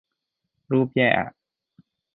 รูปแย่อ่ะ